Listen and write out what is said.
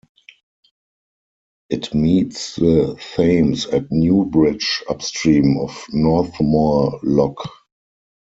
It meets the Thames at Newbridge upstream of Northmoor Lock.